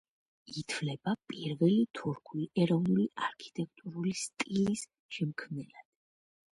ითვლება პირველი თურქული ეროვნული არქიტექტურული სტილის შემქმნელად.